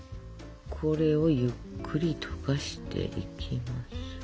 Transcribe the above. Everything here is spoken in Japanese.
これをゆっくり溶かしていきますよ。